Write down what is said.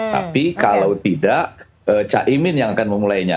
tapi kalau tidak caimin yang akan memulainya